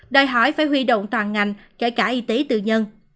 đòi hỏi phải huy động toàn ngành kể cả y tế tư nhân